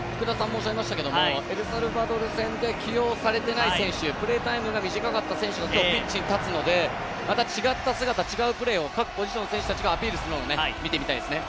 エルサルバドル戦で起用されていない選手、プレータイムが短い選手、ピッチに立つので、また違った姿、違ったプレーを各ポジションの選手がアピールするのを見てみたいですね。